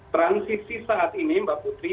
transisi saat ini mbak putri